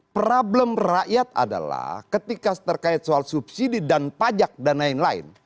problem rakyat adalah ketika terkait soal subsidi dan pajak dan lain lain